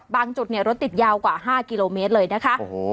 จุดรถติดยาวกว่า๕กิโลเมตรเลยนะคะ